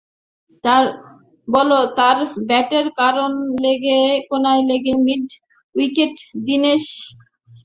বল তাঁর ব্যাটের কানায় লেগে মিড উইকেটে দিনেশ চান্ডিমালের হাতে জমা পড়ে।